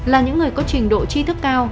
là những người có trình độ chi thức cao